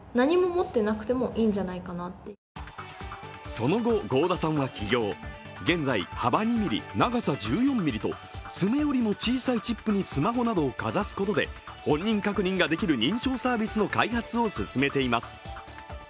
その後、合田さんは起業、現在幅２ｍｍ、長さ１４ｍｍと爪よりも小さいチップにスマホなどをかざすことで本人確認ができる認証サービスの開発を進めています。